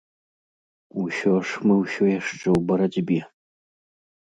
Усё ж, мы ўсё яшчэ ў барацьбе.